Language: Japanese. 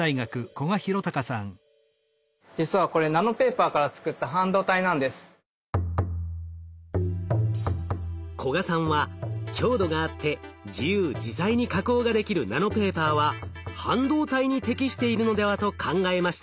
実はこれ古賀さんは強度があって自由自在に加工ができるナノペーパーは半導体に適しているのではと考えました。